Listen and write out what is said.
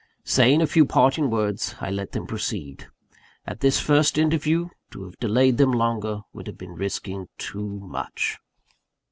Saying a few parting words, I let them proceed: at this first interview, to have delayed them longer would have been risking too much.